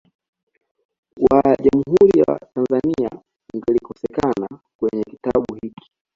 wa Jamhuri ya Tanzania ungelikosekana kwenye kitabu hiki